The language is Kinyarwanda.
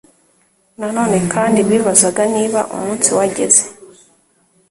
Na none kandi bibazaga niba umunsi wageze